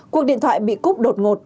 cuộc điện thoại bị cúp đột ngột